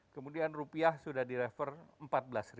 kemudian rupiah sudah di refer rp empat belas